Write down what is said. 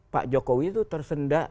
pak jokowi itu tersendak